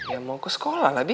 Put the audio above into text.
ya mau ke sekolah